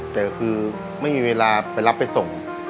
แต่คือไม่มีเวลาไปรับไปส่ง